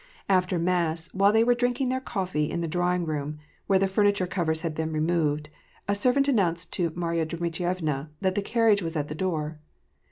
After mass, while they were drinking their coffee in the drawing room, where the furniture covers had been removed, a servant announced to Marya Dmitrievna that the carriage was at the door.